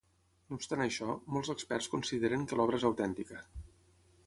No obstant això, molts experts consideren que l'obra és autèntica.